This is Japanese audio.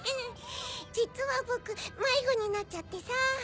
じつはボクまいごになっちゃってさ。